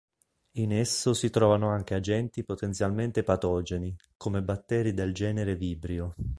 In esso si trovano anche agenti potenzialmente patogeni, come batteri del genere vibrio.